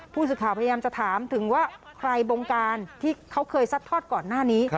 ผู้สื่อข่าวพยายามจะถามถึงว่าใครบงการที่เขาเคยซัดทอดก่อนหน้านี้